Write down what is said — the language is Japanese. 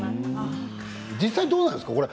実際どうなんですか。